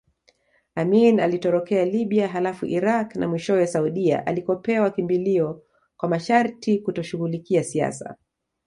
Amin alitorokea Libya halafu Irak na mwishowe Saudia alikopewa kimbilio kwa masharti kutoshughulikia siasa